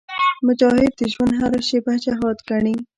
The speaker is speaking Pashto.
مجاهد د ژوند هره شېبه جهاد ګڼي.